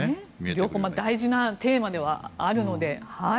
両方大事なテーマではあるので。